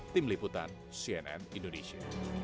tim liputan cnn indonesia